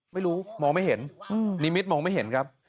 ไม่รู้มองไม่เห็นนิมิตมองไม่เห็นครับ